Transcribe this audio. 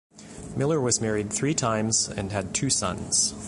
Miller was married three times and had two sons.